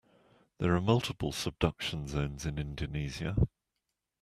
There are multiple subduction zones in Indonesia.